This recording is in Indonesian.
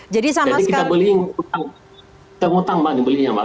jadi kita beli kita ngutang mbak ini belinya mbak